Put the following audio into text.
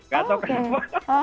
gak tau kenapa